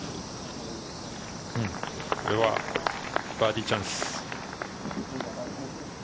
これはバーディーチャンス。